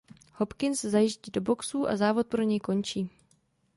Hopkins zajíždí do boxů a závod pro něj končí.